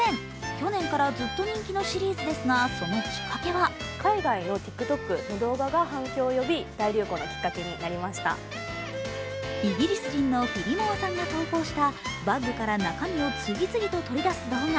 去年からずっと人気のシリーズですが、そのきっかけはイギリス人のフィリモアさんが投稿したバッグから中身を次々と取り出す動画。